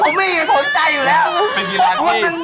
ผมไม่สนใจอยู่แล้ว